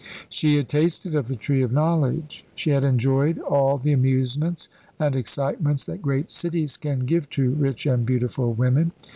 She had tasted of the Tree of Knowledge. She had enjoyed all the amusements and excitements that great cities can give to rich and beautiful women.